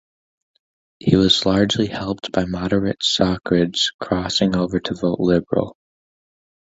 He was largely helped by moderate Socreds crossing over to vote Liberal.